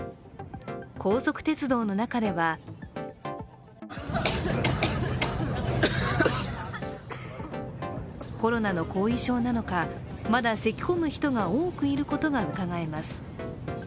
高速鉄道の中ではコロナの後遺症なのか、まだせきこむ人が多くいることがうかがえます。